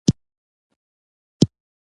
ستاسي د کورنۍ بل هر امیر درلودلې ده.